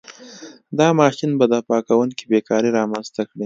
دا ماشین به تباه کوونکې بېکاري رامنځته کړي.